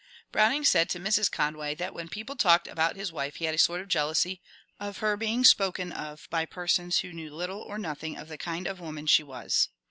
Browning said to Mrs. Conway that when people talked about his wife he had a sort of ^^ jealousy " of her being spoken of by persons who knew little or nothing of the kind of woman she was.